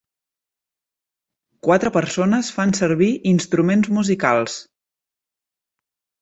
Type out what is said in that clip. Quatre persones fan servir instruments musicals.